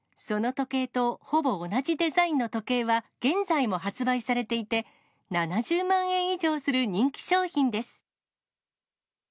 その時計とほぼ同じデザインの時計は、現在も発売されていて、７０万円以上する人気商品です。